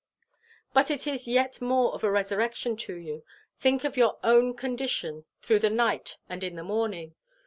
But it is yet more of a resurrection to you. Think of your own condition through the night and in the morning.